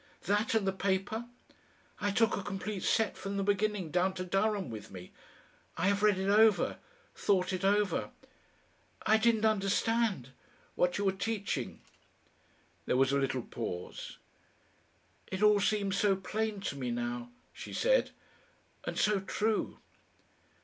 "That and the paper. I took a complete set from the beginning down to Durham with me. I have read it over, thought it over. I didn't understand what you were teaching." There was a little pause. "It all seems so plain to me now," she said, "and so true."